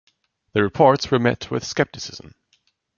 The reports were met with scepticism.